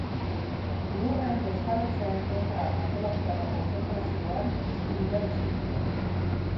Lurren desjabetzeen kontra antolatutako kontzentrazioan piztu dira istiluak.